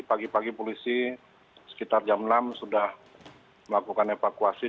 pagi pagi polisi sekitar jam enam sudah melakukan evakuasi